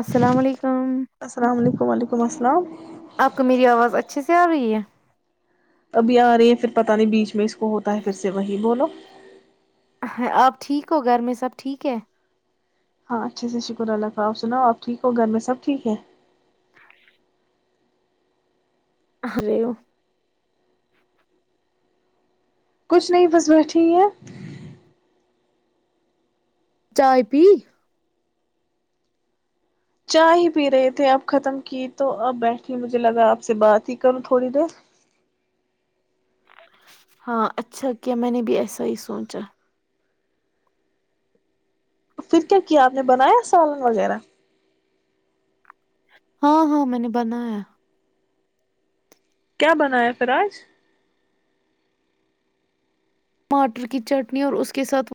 السلام علیکم السلام علیکم وعلیکم السلام آپ کو میری آواز اچھے سے آ رہی ہے ابھی آ رہی ہیں پھر پتہ نہیں بیچ میں اس کو ہوتا ہے پھر سے وہی بولو آپ ٹھیک ہو گھر میں سب ٹھیک ہے ہاں اچھے سے شکر اللہ ت آپ سناؤ آپ ٹھیک ہو گھر میں سب ٹھیک ہے اےو [unintelligible] کچھ نہیں بس بیٹھی ہیں چائے پی چائے ہی پی رہے تھے اب ختم کی تو اب بیٹھی مجھے لگا آپ سے بات ہی کروں تھوڑی دیر ہاں اچھا کیا میں نے بھی ایسا ہی سوچا پھر کیا کیا آپ نے بنایا سالن وغیرہ ہاں ہاں میں نے بنایا کیا بنایا پھر آج ٹماٹر کی چٹنی اور اس کے ساتھ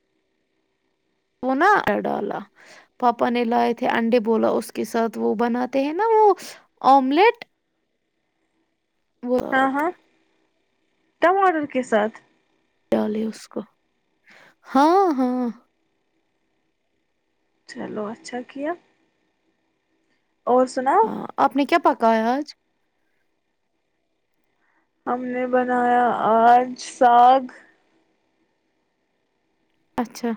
تو نا ڈالا پاپا نے لائے تھے انڈے بولا اس کے ساتھ وہ بناتے ہیں نا وہ آملیٹ وہ ہاں ہاں ٹماٹر کے ساتھ ڈالے اس کو ہاں ہاں چلو اچھا کیا ہے ہاں اپپ نے کیا پا [unintelligible] گیاج [unintelligible] ہم نے بنایا آج ساگ اچھا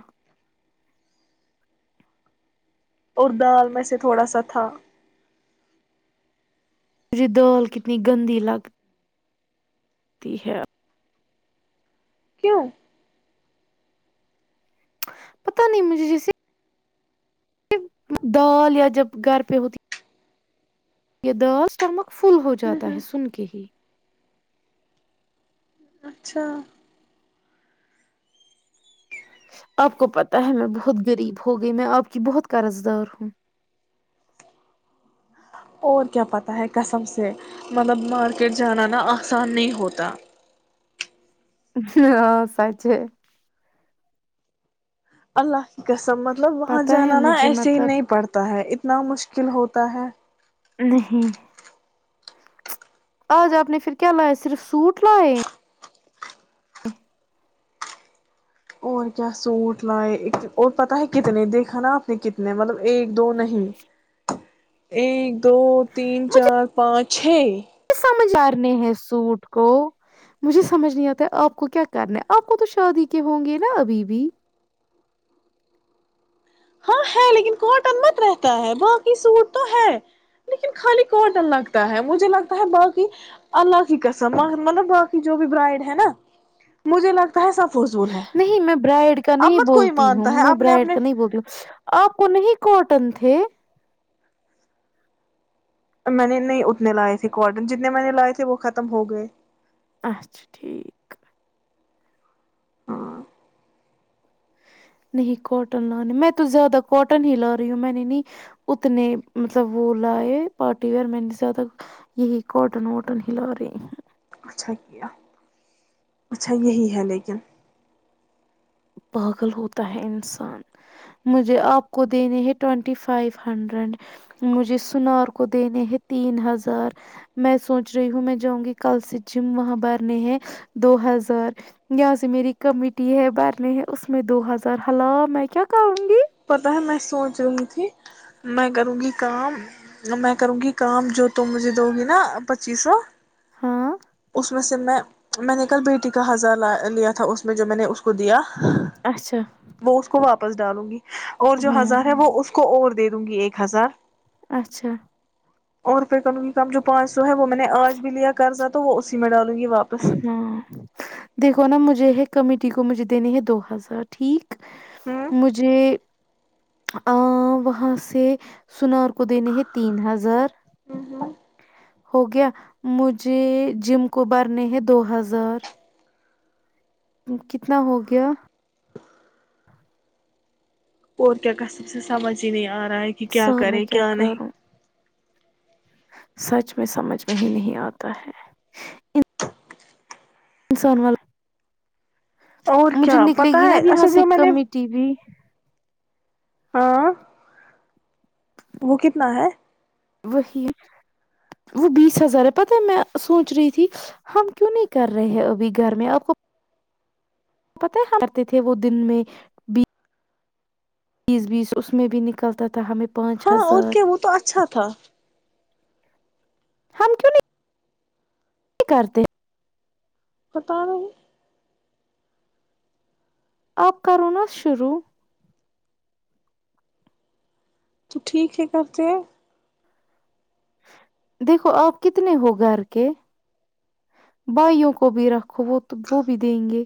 اور دال میں سے تھوڑا سا تھاا م دال کتنی گندی لگ تی ہے [unintelligible] کیوں پتا نہیں مجھے جیسے دال یا جب گھر پہ ہوتی یہ داس ٹرمک [unintelligible] فل ہو ہ جاتا ہ ہے سن کے ہی اچھا آپ کو پتہ ہے میں بہت غریب ہو گئی میں آپ کی بہت قرض دار ہوں اور کیا پت ہے کسم سے مطلب مارکیٹ جانا نا آسان نہیں ہوتا ہاں سچ ہے اللہ ح قس سب مطلب وہاں پتا ہے جانا نا مجھے ایسے ہی مطلب نہیں پڑتا ہے کتنا مشکل ہوتا ہے نہیں آج آپ نے پھر کیا لاائے صرف سوٹ لائے اور کیا سوٹ لائے اور پتا ہے کتنے دیکھا نا آپ نے کتنے مطلب ایک دو نہیں یہ [unintelligible] دو تین چار پانچ چھ سمجارنے ہیں سوٹ کو مجھے سمجھ نہیں آتا آپ کو کیا کرنا ہے آپ کو تو شادی کے ہوں گے نا ابھی بھی ہاں ہے لیکن کاٹن مت رہتا ہے باقی سوٹ تو ہے لیکن خالی کاٹن لگتا ہے مجھے لگتا ہے باقی الگ ہی قسم مطلب باقی جو بھی برائڈ ہے نا مجھے لگتا ہے سب فضول ہے نہیں میں برائڈ کا اب نہیں مت کوئی بولتی مانتا ہوں ہے میں آپ نے برائڈ اپنے کا نہیں بولتی ہوں آپ انیں کوٹن تھے میں نے نہیں اتنے لائے تھے کاٹن جتنے میں نے لائے تھے وہ ختم ہو گئے اچھا ٹھیک ہاں نہیں کاٹن لانے میں تو زیادہ کاٹن ہی لا رہی ہوں میں نے نہیں اتنے مطلب وہ لائے پارٹی ویئر میں نے زیادہ یہی کاٹن واٹن ہی لا رہی ہ اچھا کیا اچھا یہی ہے لیکن پاگل ہوتا ہے انسان مجھے آپ کو دینے ہے ٹوینٹی فائیو ہنڈریڈ مجھے سنار کو دینے ہے تین ہزار میں سوچ رہی ہوں میں جاؤں گی کل سے جم وہاں برنے ہے دو ہزار یہاں سے میری کمیٹی ہے ب نہیں اس میں دو ہزار ہلا میں کیا کروں گی پتا ہے میں سوچ رہی تھی میں کروں گی کام میں کروں گی کام جو تو مجھے دو گی نا پچیس سو ہاں اس میں سے میں میں نے کل بیٹی کا ہزار لا لیا تھا اس میں جو میں نے اس کو دیا اچھا وہ اس کو بپ [unintelligible] وپس ڈالو [unintelligible] اور جو ہاں ہزار ہے وہ اس کو اور د دوں گی ایک ہزار اچھا اورو پہ کم سے کم جو پانچ سو ہے وہ میں نے آج بھی لیا قرضہ تو وہ اسی میں ڈال ہاں دیکھو نا مجھے ایک کمیٹی کو مجھے دینے ہیں دو ہزار ٹھیک ہوں مجھے آ وہاں سے سنار ک د نہیں تین ہزار ہو گیا مجھے جم کو بار [inaudible] کرنے ہیں دو ہزار کتنا ہو گیا اور کیا کسب سے سمجھ ہی نہیں آ رہا رہ ہے کہ کیا سال میں کرے کیا نہیں کروں سچ میں سمجھ میں ہی نہیں آتا ہے ان انسان والا اور [inaudible] مجھے کیا نکلے پتا گی نا ہے اب یہاں اچھا سے جو میں نے کمیمی ٹی وی ہاں وہ کتنا ہے وہی وہ بیس ہزار ہے پت ہے میں سوچ رہی تھی ہم کیوں نہیں کر رہے ہیں ابھی گھر میں اب پت کرتے تھے وہ دن میں بھی بیس بیس اس میں بھی نکلتا تھا ہمیں پانچ ہاں اور ہزار کیا وہ تو اچھا تھا ہم سنی نہیں کرتے ہتاا رہے اب کرو ن شروع تو ٹھیک ہے کرتے دیکھو آپ کتنے ہو گھر کے بھائیوں کو بھی رکھو وہ بھی دیں گے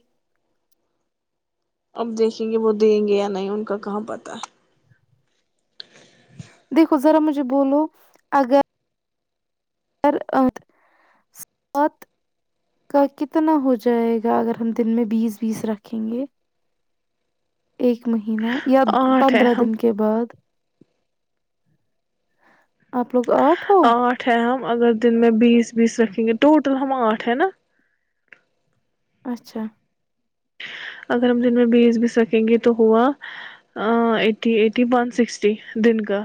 اب دیکھیں گے وہ دیں گے یا نہیں ان کا کہاں پتہ ہے دیکھو ذرا مجھے بولو اگر س سات کا کتنا ہو جائے گا اگر ہم دن میں بیس بیس رکھیں گے ا مہینہ یا آٹھ ہے پندرہ ہم دن کےے بعد آپ لوگ آٹھ ہو آٹھ ہے ہم اگر دن میں بیس بیس رکھیں گے ٹوٹل ہم آٹھ ہے نا اچھا اگر ہم دن میں بی ایس بیس رکھیں گے تو ہوا ایٹی ایٹی ون سکسٹی دن کا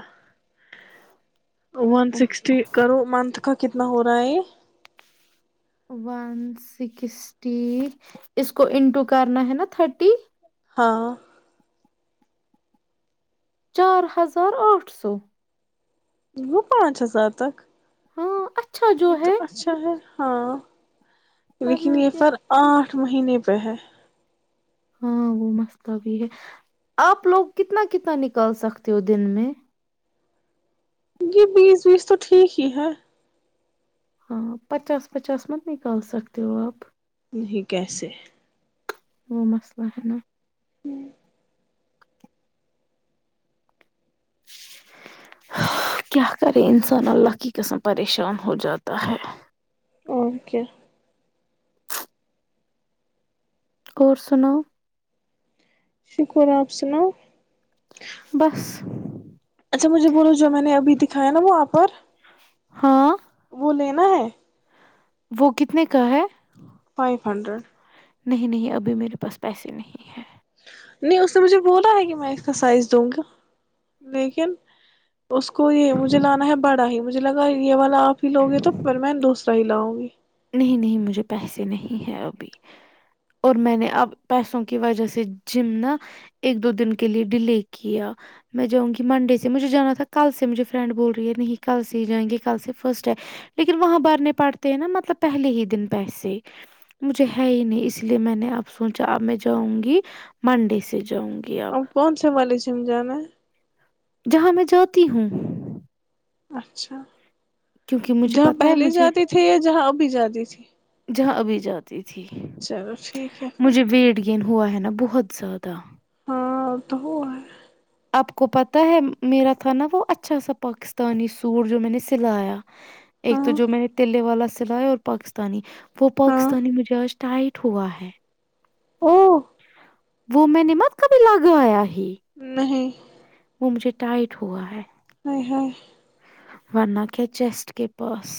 ون سکسٹی کرو مت کا کتنا ہو رہا ہے ون سکسٹی اس کو انٹو کرنا ہے نا تھرٹی ہاں چار ہزار آٹھ سو وہ پانچ ہزار تک ہاں اچھا جو یہ ہے تو اچھا ہے ہاں ورنہ لیکن یہ کیا سر آٹھ ایک مہینے پہ ہے ہاں وہ مستا بھی ہے آپ لوگ کتنا کتنا نکال سکتے ہو دن میں یہ بیس بیس تو ٹھیک ہی ہے ہاں پچاس پچاس مت نکال سکتے ہو آپ نہیں کیسے وہ مسئلہ ہے نا [inaudible] ہوں [inaudible] کیا کرے انسان اللہ کی قسم پریشان ہو جاتا ہے اور کیا اور سناو شکر آپ سناؤ بس اچھا مجھے بولو جو میں نے ابھی دکھایا نا وہاں پر ہاں وہ لینا ہے وہ کتنے کا ہے فائیو ہنڈریڈ نہیں نہیں ابھی میرے پاس پیسے نہیں ہیں نہیں اس نے مجھے بولا ہے کہ میں اس کا سائز دوں گا لیکن اس کو یہ مجھے لانا ہے بڑا ہی مجھے لگا یہ والا آپ ہی لو گے تو پھر میں دوسرا ہی لاؤں گی نہیں نہیں مجھے پیسے نہیں ہے ابھی اور میں نے اب پیسوں کی وجہ سے جم نا ایک دو دن کے لیے ڈیلے کیا میں جاؤں گی منڈے سے مجھے جانا تھا کل سے مجھے فرینڈ بول رہی ہے نہیں کل سے ہی جائیں گے کل سے فرسٹ ہے لیکن وہاں برنے پڑتے ہیں نا مطلب پہلے ہی دن پیسے مجھے ہے ہی نہیں اس لیے میں نے اب سوچا اب میں جاؤں گی منڈے سے جاؤں گی اب ہم کون سے بولے چ جانا [unintelligible] جہاں میں جاتی ہوں اچھا کیونکہ مجھے جہاں پتہ ہے پہلے مجھے جاتے تھے یا جہاں ابھی جاتی تھی جی [unintelligible] جہاں ابھی جاتی تھی چلو ٹھیک ہے پھر مجھے ویڑ گ ہوا ہے نا بہت زیادہ ہاں تو ہو ہے آپ کو پتہ ہے میرا تھا نا وہ اچھا سا پاکستانی سوٹ جو میں نے سلایا ایک تو ہاں جو میں نے تیلے والا سلایا اور پاکستانی وہ ہاں پاکستانی مجاج [unintelligible] ٹائٹ ہوا ہے او وہ میں نے مت کبھی لگایا ہے نہیں مجھے ٹائٹ ہوا ہے ہ ہ ورنہ کیا چیسٹ کے پاس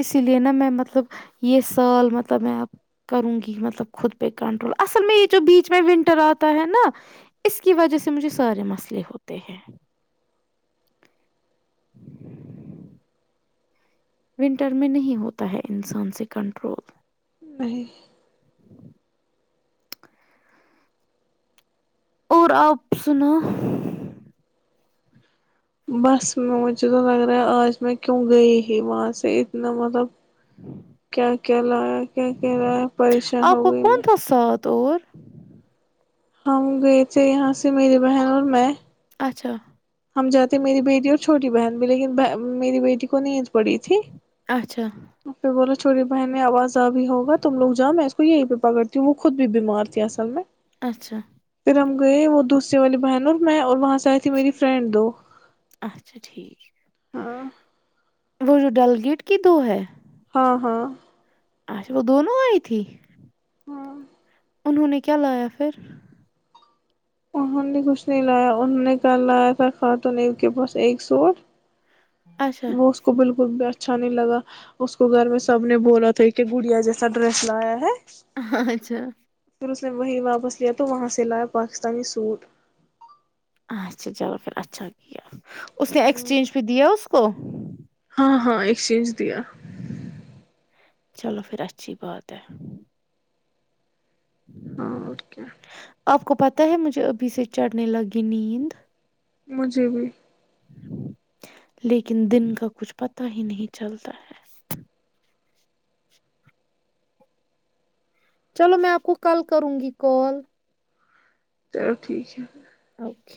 اسی لیے نا میں مطلب یہ سال مطلب میں اب کروں گی مطلب خود پہ کنٹرول اصل میں یہ جو بیچ میں ونٹر آتا ہے نا اس کی وجہ سے مجھے سارے مسئلے ہوتے ہیں ونٹر میں نہیں ہوتا ہے انسان سے کنٹرول آ [unintelligible] اور آپ سنا بس مجھے تو لگ رہا ہے آج میں کیوں گئی ہی وہاں سے اتنا مطلب کیا کیا لائق کیا کہہ رہا ہے پریشان ہو گئی میں طور [inaudible] ہم گئے تھے یہاں سے میری بہن اور میں اچھا ہم جاتے میری بیٹی اور چھوٹی بہن بھی لیکن میری بیٹی کو نیند پڑی تھی اچھا پھر بولا چھوٹی بہنیں آواز آ بھی ہوا تم لوگ جا میں اس کو یہی پہ پکڑتی ہوں وہ خود بیمار تھی اصل میں اچھا پھر ہم گئے وہ دوسر والی بہن اور میں اور وہاں سے آئی تھی میری فرینڈ دو اچھا ٹھیک ہاں وہ جو ڈل گیٹ کی دو ہے ہاں ہاں اچھا وہ دونوں آئی تھی ہاں انہوں نے کیا لایا پھر مہن نے کچھ نہیں لایا انہوں نے کل لایا تھا خاتونو کے پاس ایک سوٹ اچھا وہ اس کو بالکل بھی اچھا نہیں لگا اس کو گھر میں سب نے بولا تھا کہ گڑیا جیسا ڈریس لایا ہے اچھا پھر اس نے وہی واپس لیا تو وہاں سے لایا پاکستانی سوٹ اچھا چلو پھر اچھا کیایا اس نے ہ ایکسچینج بھی دیا اس کو ہاں ہاں ایکسچینج دیا چلو پھر اچھی بات ہے ہاں اوکے مجھب ابھی س چٹنائی لگی نیند مجھے بھی لیکن دن کا کچھ پتا ہی نہیں چلتا ہے چلو میں آپ کو کل کروں گی کال چلو ٹھیک ہے اوکے